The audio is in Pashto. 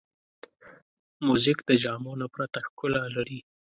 موزیک د جامو نه پرته ښکلا لري.